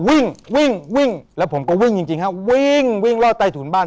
วิ่งวิ่งวิ่งแล้วผมก็วิ่งจริงฮะวิ่งวิ่งรอดใต้ถุนบ้าน